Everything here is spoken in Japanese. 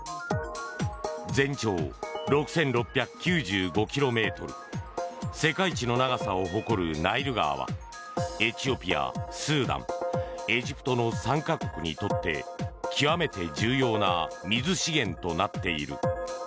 全長６６９５ｋｍ世界一の長さを誇るナイル川はエチオピア、スーダンエジプトの３か国にとって極めて重要な水資源となっている。